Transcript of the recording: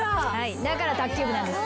だから卓球部なんです。